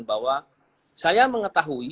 bahwa saya mengetahui